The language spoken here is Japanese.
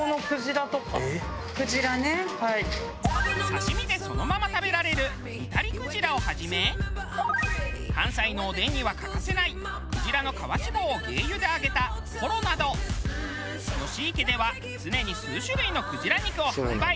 刺身でそのまま食べられるニタリクジラをはじめ関西のおでんには欠かせないクジラの皮脂肪を鯨油で揚げたコロなど吉池では常に数種類のクジラ肉を販売。